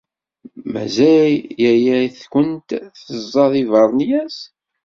Mazal yaya-tkent teẓẓaḍ iberniyas?